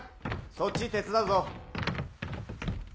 そっち手伝うぞ。